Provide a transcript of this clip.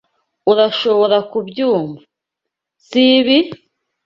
Urashobora kubyumva, sibi?